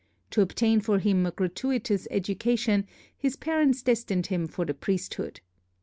To obtain for him a gratuitous education his parents destined him for the priesthood.